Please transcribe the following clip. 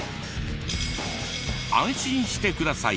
安心してください。